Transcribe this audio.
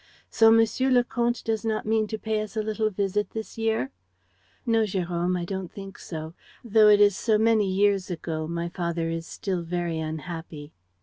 So Monsieur le Comte does not mean to pay us a little visit this year?" "No, Jérôme, I don't think so. Though it is so many years ago, my father is still very unhappy."